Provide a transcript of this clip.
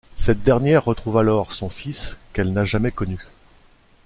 Cette dernière retrouve alors son fils qu'elle n'a jamais connu.